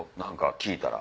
聞いたら。